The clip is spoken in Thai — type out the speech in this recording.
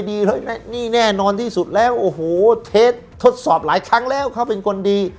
นี่แน่นอนที่สุดแล้วโอ้โหเทสทดสอบหลายครั้งแล้วเขาเป็นคนดี